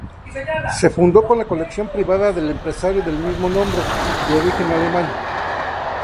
Se fundó con la colección privada del empresario del mismo nombre, de origen alemán.